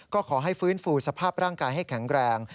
ก็ขอให้ฟื้นฟูสภาพร่างกายให้แข็งแรง